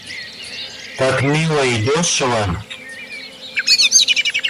Так мило и дешево.